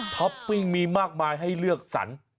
ปปิ้งมีมากมายให้เลือกสรร